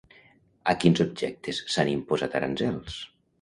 A quins objectes s'han imposat aranzels?